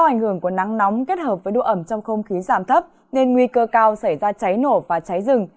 do ảnh hưởng của nắng nóng kết hợp với độ ẩm trong không khí giảm thấp nên nguy cơ cao xảy ra cháy nổ và cháy rừng